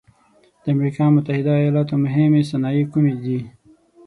د امریکا متحد ایلاتو مهمې صنایع کومې دي؟